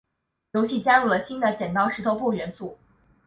游戏加入了新的石头剪刀布元素。